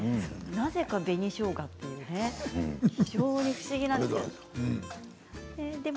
なぜか紅しょうがという非常に不思議なんです。